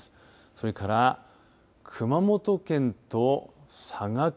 それから熊本県と佐賀県